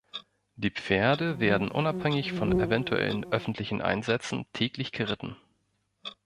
Die Pferde werden unabhängig von eventuellen öffentlichen Einsätzen täglich geritten.